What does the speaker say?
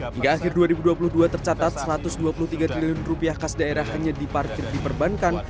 hingga akhir dua ribu dua puluh dua tercatat satu ratus dua puluh tiga triliun rupiah kas daerah hanya diparkir di perbankan